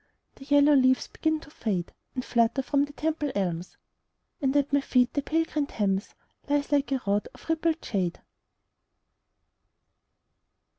The yellow leaves begin to fade And flutter from the Temple elms, And at my feet the pale green Thames Lies like a rod of rippled jade.